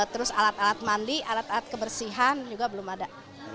terus alat alat mandi alat alat kebersihan juga belum ada